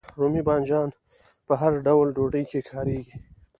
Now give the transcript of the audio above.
رومي بانجان په هر ډول ډوډۍ کې کاریږي.